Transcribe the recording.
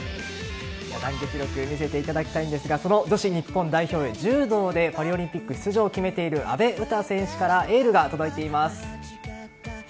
団結力見せていただきたいんですがその女子日本代表柔道でパリオリンピック出場を決めている阿部詩選手からエールが届いています。